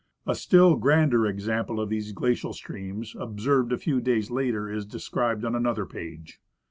A still grander example of these glacial streams, observed a few days later, is described on another page.